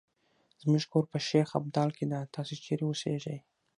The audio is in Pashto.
زمونږ کور په شیخ ابدال کې ده، ته چېرې اوسیږې؟